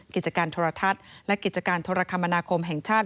กิจการโทรทัศน์และกิจการโทรคมนาคมแห่งชาติ